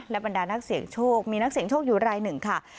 บรรดานักเสี่ยงโชคมีนักเสียงโชคอยู่รายหนึ่งค่ะ